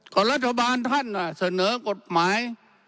รัฐบาลท่านเสนอกฎหมาย